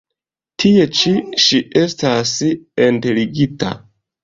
Tie ĉi ŝi estas enterigita.